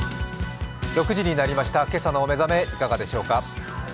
６時になりました、今朝のお目覚めいかがでしょうか？